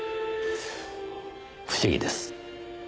不思議です。